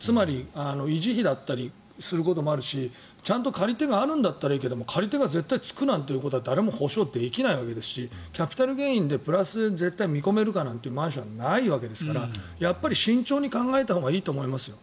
維持費だったりすることもあるしちゃんと借り手があるならいいけど借り手が絶対つくなんてことは誰も保証できないわけですしキャピタルゲインでプラス、絶対見込めるかなんてマンションはないわけですから慎重に考えたほうがいいと思いますよ。